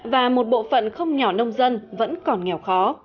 và một bộ phận không nhỏ nông dân vẫn còn nghèo khó